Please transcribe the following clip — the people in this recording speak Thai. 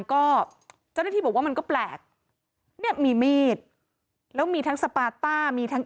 ก็เจ้าหน้าที่บอกว่ามันก็แปลกเนี่ยมีมีดแล้วมีทั้งสปาต้ามีทั้ง